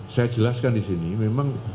saya jelaskan disini memang